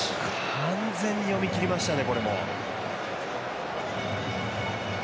完全に読みきりましたね。